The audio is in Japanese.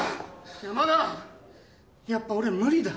山田やっぱ俺無理だ。